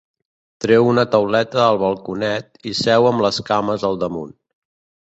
Treu una tauleta al balconet i seu amb les cames al damunt.